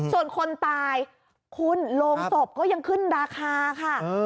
ส่วนคนตายคุณโรงศพก็ยังขึ้นราคาค่ะ